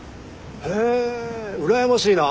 へぇうらやましいな。